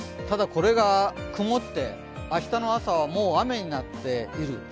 ただこれが曇って、明日の朝はもう雨になっている。